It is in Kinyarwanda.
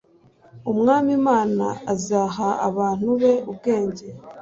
Umwami Imana azaha abantu be ubwenge